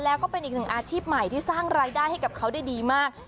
แล้วก็เป็นอีกหนึ่งอาชีพใหม่ที่สร้างรายได้ให้กับเขาได้ดีมาก